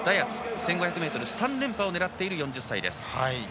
１５００ｍ３連覇を狙っている４０歳。